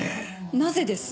なぜです？